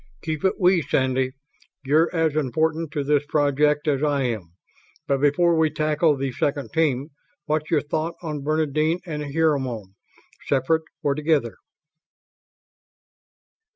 "Keep it 'we', Sandy. You're as important to this project as I am. But before we tackle the second team, what's your thought on Bernadine and Hermione? Separate or together?"